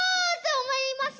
思います。